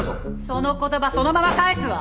その言葉そのまま返すわ！